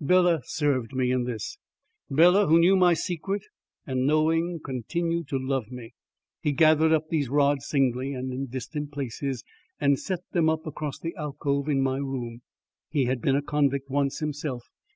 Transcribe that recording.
Bela served me in this; Bela who knew my secret and knowing continued to love me. He gathered up these rods singly and in distant places and set them up across the alcove in my room. He had been a convict once himself.